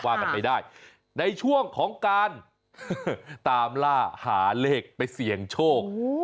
ว่ากันไปได้ในช่วงของการตามล่าหาเลขไปเสี่ยงโชค